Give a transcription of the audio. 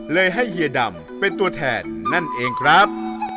ให้เฮียดำเป็นตัวแทนนั่นเองครับ